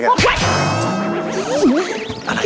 ไปทำอะไรกัน